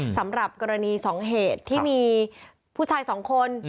สำหรับกรณี๒เหตุที่มีผู้ชาย๒คน